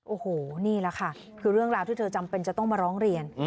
โอ้โหนี่แหละค่ะคือเรื่องราวที่เธอจำเป็นจะต้องมาร้องเรียน